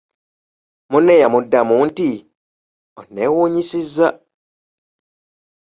Munne yamuddamu nti, “Onneewunyisizza!